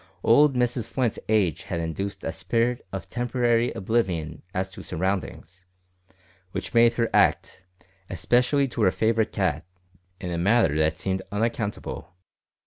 Old Mrs Flint's age had induced a spirit of temporary oblivion as to surroundings, which made her act, especially to her favourite cat, in a manner that seemed unaccountable.